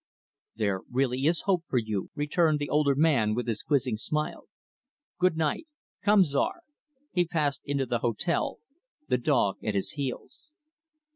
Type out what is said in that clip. "There really is hope for you," returned the older man, with his quizzing smile. "Good night. Come, Czar." He passed into the hotel the dog at his heels.